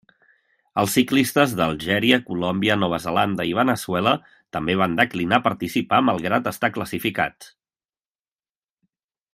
Els ciclistes d'Algèria, Colòmbia, Nova Zelanda i Veneçuela també van declinar participar malgrat estar classificats.